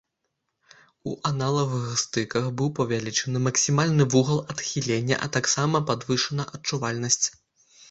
У аналагавых стыках быў павялічаны максімальны вугал адхілення, а таксама падвышана адчувальнасць.